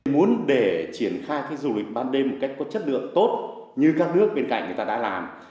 muốn để triển khai cái du lịch ban đêm một cách có chất lượng tốt như các nước bên cạnh người ta đã làm